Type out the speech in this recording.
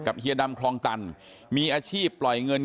เฮียดำคลองตันมีอาชีพปล่อยเงิน